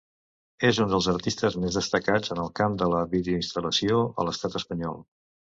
És un dels artistes més destacats en el camp de la videoinstal·lació a l'Estat espanyol.